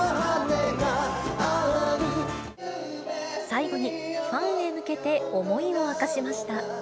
最後にファンへ向けて、思いを明かしました。